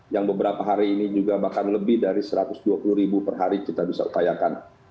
yang beberapa hari ini juga bahkan lebih dari satu ratus dua puluh ribu per hari kita bisa upayakan